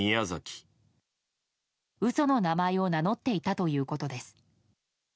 嘘の名前を名乗っていたということです。